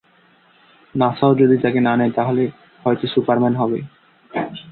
নাসাও যদি তাকে না নেয়, তাহলে হয়ত সুপারম্যান হবে।